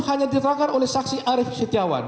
hanya diterangkan oleh saksi arief setiawan